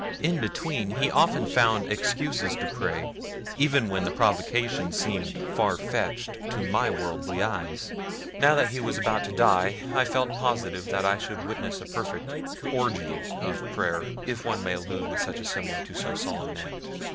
In between he often found excuses to pray even when the provocation seemed far fetched to my worldly eyes now that he was about to die I felt positive that I should witness a perfect orgy of prayer if one may allude with such a simile to so solemn an act.